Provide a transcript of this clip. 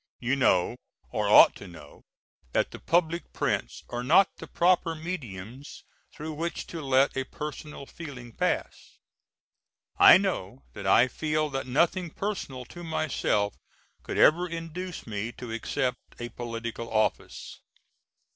You know, or ought to know, that the public prints are not the proper mediums through which to let a personal feeling pass. I know that I feel that nothing personal to myself could ever induce me to accept a political office.